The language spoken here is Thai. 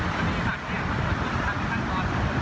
แม่งไม่ต้องกลับให้ตัวจอบ